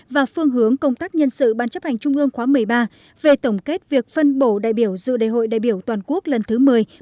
và phương hướng công tác nhân sự ban chấp hành trung ương khóa một mươi ba về tổng kết việc phân bổ đại biểu dự đại hội đại biểu toàn quốc lần thứ một mươi một mươi một một mươi hai